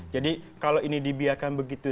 jadi kalau ini dibiarkan begitu